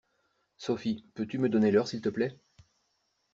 Sophie, peux-tu me donner l'heure s'il te plaît?